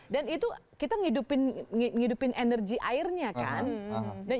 itu kita ngidupin energi airnya kan